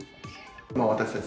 私たち